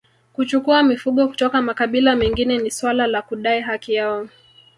Kuchukua mifugo kutoka makabila mengine ni suala la kudai haki yao